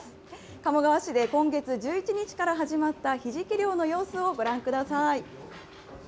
鴨川市で今月１１日から始まったひじき漁の様子をご覧ください。